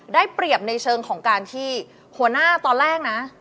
ได้เปรียบในเชิงของการที่หัวหน้าตอนแรกนะ